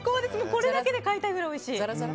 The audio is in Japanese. これだけで買いたいくらいおいしい。